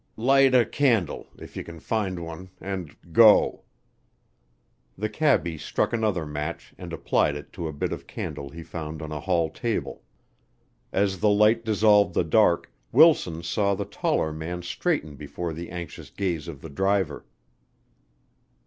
"Light a candle, if you can find one, and go." The cabby struck another match and applied it to a bit of candle he found on a hall table. As the light dissolved the dark, Wilson saw the taller man straighten before the anxious gaze of the driver.